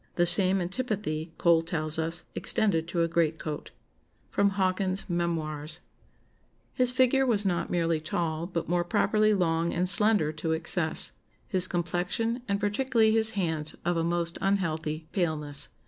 The same antipathy, Cole tells us, extended to a greatcoat." [Sidenote: Hawkins's Memoirs.] "His figure was not merely tall, but more properly long and slender to excess; his complexion, and particularly his hands, of a most unhealthy paleness.